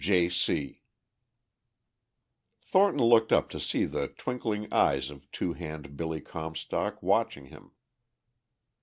j.C. Thornton looked up to see the twinkling eyes of Two Hand Billy Comstock watching him.